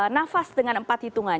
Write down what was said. nafas dengan empat hitungan